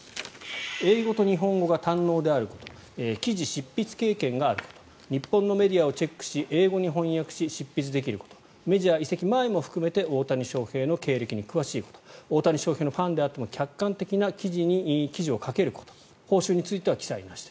英語と日本語が堪能であること記事執筆経験があること日本のメディアをチェックし英語に翻訳し執筆できることメジャー移籍前も含めて大谷翔平の経歴に詳しいこと大谷翔平のファンであっても客観的な記事をかけること報酬については記載なしと。